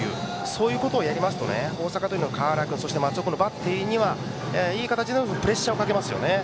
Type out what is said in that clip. そういうことやりますと大阪桐蔭の川原君松尾君のバッテリーにいい形でのプレッシャーをかけますよね。